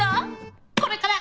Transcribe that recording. これから！